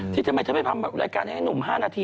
ทำไมเธอไม่ทำรายการให้หนุ่ม๕นาที